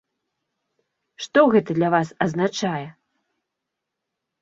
Што гэта для вас азначае?